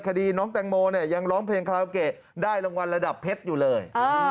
คดีน้องแตงโมเนี่ยยังร้องเพลงคาราโอเกะได้รางวัลระดับเพชรอยู่เลย